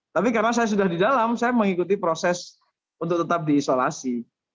tapi karena saya sudah di dalam saya mengikuti proses untuk tetap diisolasi